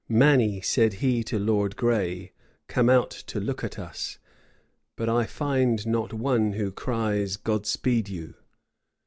"Many," said he to Lord Gray, "come out to look at us, but I find not one who cries, God speed you!"